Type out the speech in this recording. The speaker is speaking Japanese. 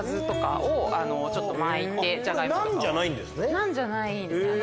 ナンじゃないんですね？